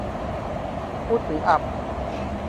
พูดถึงอับ